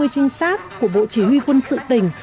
ba mươi trinh sát của bộ chỉ huy quân sự tỉnh